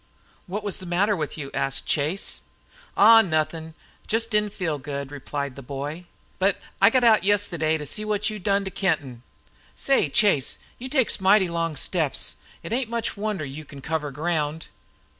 "What was the matter with you?" asked Chase. "Aw! Nuthin'. Jest didn't feel good," replied the boy. "But I got out yestiddy, an' see what you done to Kenton! Say, Chase, you takes mighty long steps. It ain't much wonder you can cover ground."